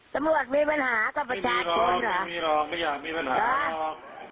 สำรวจมีปัญหาก็ไปชาญคนเหรอ